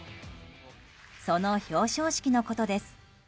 その表彰式のことです。